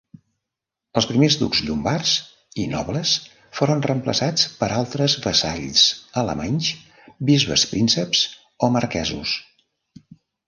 Els primers ducs llombards i nobles foren reemplaçats per altres vassalls alemanys, bisbes-prínceps o marquesos.